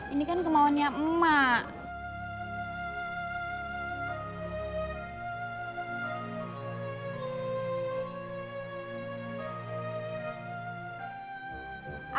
ini kan kemauannya emang